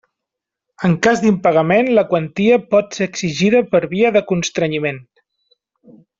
En cas d'impagament la quantia pot ser exigida per via de constrenyiment.